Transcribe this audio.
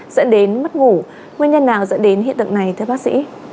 dẫn đến mất ngủ nguyên nhân nào dẫn đến hiện tượng này thưa bác sĩ